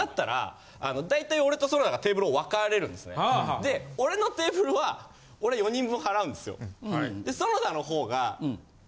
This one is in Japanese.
で俺のテーブルは俺４人分払うんですよ。